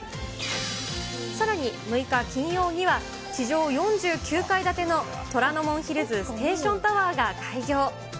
さらに６日金曜には、地上４９階建ての虎ノ門ヒルズステーションタワーが開業。